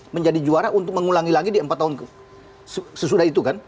menjadi juara untuk mengulangi lagi di empat tahun sesudah itu kan